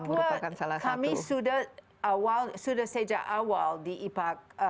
papua kami sudah sejak awal di aipac